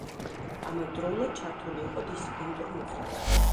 ამავდროულად ჩართული იყო დისიდენტურ მოძრაობაში.